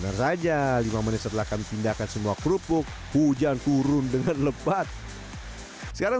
benar saja lima menit setelah kami pindahkan semua kerupuk hujan turun dengan lebat sekarang